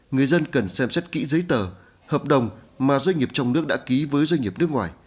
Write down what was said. người dân cần xem xét kỹ giấy tờ hợp đồng mà doanh nghiệp trong nước đã ký với doanh nghiệp nước ngoài